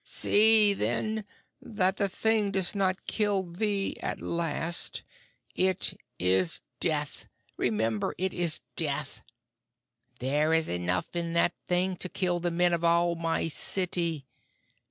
"See, then, that the thing does not kill thee at last. It is Death! Remember, it is Death! There is enough in that thing to kill the men of all my city.